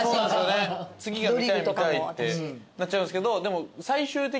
次が見たい見たいってなっちゃいますけどでも。